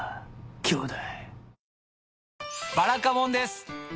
兄弟。